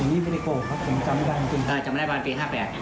๑นี้เป็นเด็กโกจำได้ประมาณปี๕๘